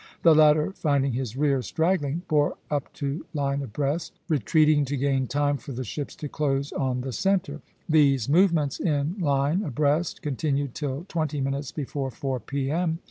The latter finding his rear straggling, bore up to line abreast (b), retreating to gain time for the ships to close on the centre. These movements in line abreast continued till twenty minutes before four P.M.